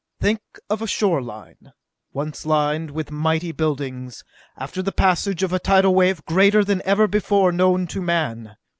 Think of a shoreline, once lined with mighty buildings, after the passage of a tidal wave greater than ever before known to man.